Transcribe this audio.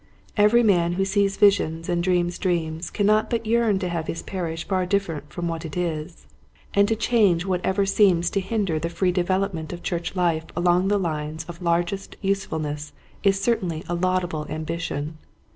Every man who sees visions and dreams dreams cannot but yearn to have his parish far different from what it Impatience. 6 1 is, and to change whatever seems to hinder the free development of church Hfe along the lines of largest usefulness is certainly a laudable ambition.